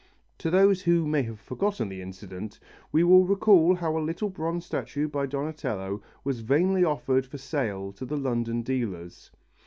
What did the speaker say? For those who may have forgotten the incident, we will recall how a little bronze statue by Donatello was vainly offered for sale to the London dealers.